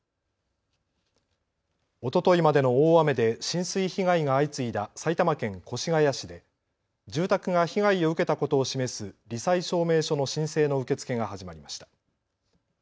おとといまでの大雨で浸水被害が相次いだ埼玉県越谷市で住宅が被害を受けたことを示すり災証明書の申請の受け付けが始まりました。